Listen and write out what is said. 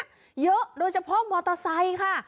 เยอะโดยเฉพาะมอเตอร์ไซค์ค่ะ